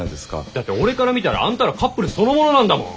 だって俺から見たらあんたらカップルそのものなんだもん。